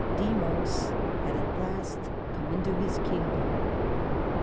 Demos at last came into his Kingdom.